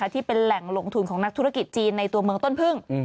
ที่เป็นแหล่งลงทุนของนักธุรกิจจีนในตัวเมืองต้นพึ่ง